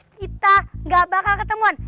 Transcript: kita gak bakal ketemuan